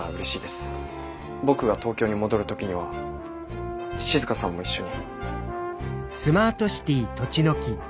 僕が東京に戻る時には静さんも一緒に。